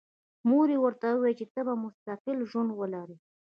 مور یې ورته وویل چې ته به مستقل ژوند ولرې